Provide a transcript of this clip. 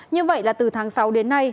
như vậy là từ tháng sáu đến nay